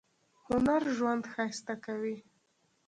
هنر ژوند ښایسته کوي